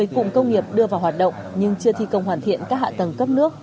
một mươi cụm công nghiệp đưa vào hoạt động nhưng chưa thi công hoàn thiện các hạ tầng cấp nước